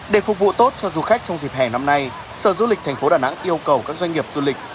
để phục vụ tốt cho du khách trong dịp hè năm nay sở du lịch thành phố đà nẵng yêu cầu các doanh nghiệp du lịch